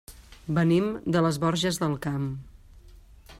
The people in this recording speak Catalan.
Venim de les Borges del Camp.